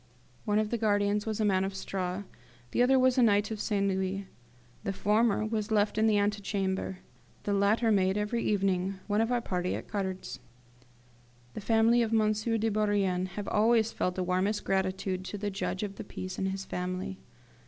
One of the guardians was a man of straw; the other was a knight of St. Louis. The former was left in the antechamber; the latter made, every evening, one of our party at cards. The family of M. de Bourrienne have always felt the warmest gratitude to the judge of the peace and his family.